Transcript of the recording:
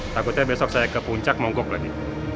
takutnya besok saya ke puncak mau gok lagi